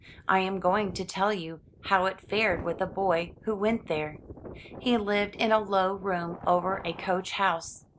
I am going to tell you how it fared with a boy who went there. He Uved in a low room over a coach house.